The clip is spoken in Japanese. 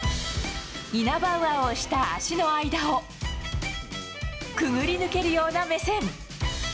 イナバウアーをした足の間をくぐり抜けるような目線。